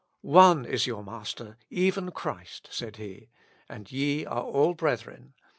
"One is your Master, even Christ," said he; "and all ye are brethren."